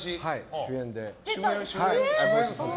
主演で。